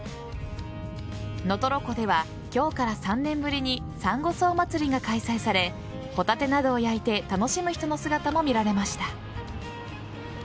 能取湖では今日から３年ぶりにさんご草祭りが開催されホタテなどを焼いて楽しむ人の姿も見られました。